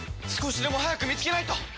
少しでも早く見つけないと！